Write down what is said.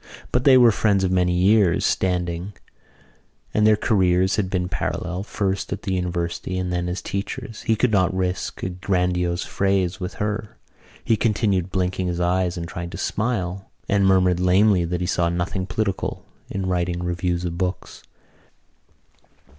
But they were friends of many years' standing and their careers had been parallel, first at the university and then as teachers: he could not risk a grandiose phrase with her. He continued blinking his eyes and trying to smile and murmured lamely that he saw nothing political in writing reviews of books.